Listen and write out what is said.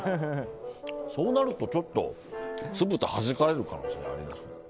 そうなると、ちょっと酢豚はじかれる可能性ありますね。